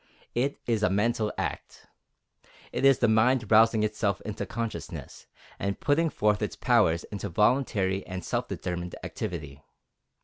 It is a mental act. It is the mind rousing itself into consciousness, and putting forth its powers into voluntary and self determined activity.